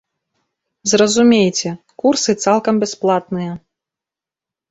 Зразумейце, курсы цалкам бясплатныя.